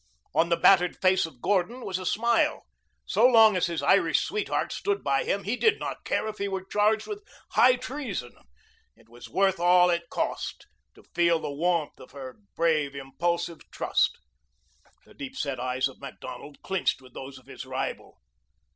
On the battered face of Gordon was a smile. So long as his Irish sweetheart stood by him he did not care if he were charged with high treason. It was worth all it cost to feel the warmth of her brave, impulsive trust. The deep set eyes of Macdonald clinched with those of his rival.